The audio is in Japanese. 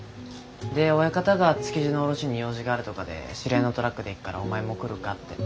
で親方が築地の卸しに用事があるとかで知り合いのトラックで行くからお前も来るかって。